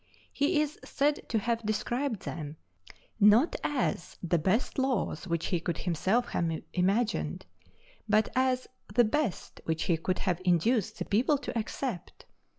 He is said to have described them, not as the best laws which he could himself have imagined, but as the best which he could have induced the people to accept.